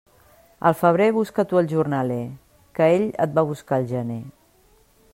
Al febrer, busca tu el jornaler, que ell et va buscar al gener.